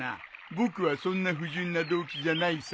僕はそんな不純な動機じゃないさ。